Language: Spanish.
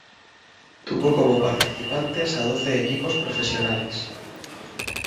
Tuvo como participantes a doce equipos profesionales.